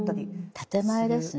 建て前ですね。